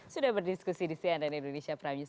sudah berdiskusi di cnn indonesia prime news